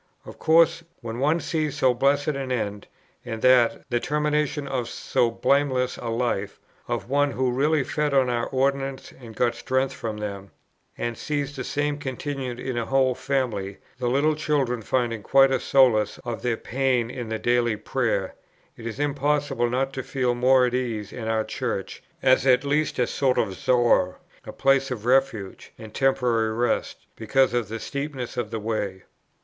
Of course, when one sees so blessed an end, and that, the termination of so blameless a life, of one who really fed on our ordinances and got strength from them, and sees the same continued in a whole family, the little children finding quite a solace of their pain in the Daily Prayer, it is impossible not to feel more at ease in our Church, as at least a sort of Zoar, a place of refuge and temporary rest, because of the steepness of the way.